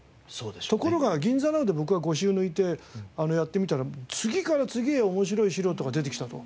ところが『ぎんざＮＯＷ！』で僕が５週抜いてやってみたら次から次へと面白い素人が出てきたと。